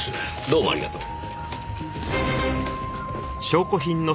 どうもありがとう。